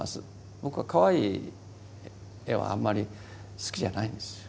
僕はかわいい絵はあんまり好きじゃないんですよ。